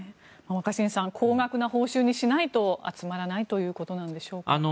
若新さん高額な報酬にしないと集まらないということでしょうか。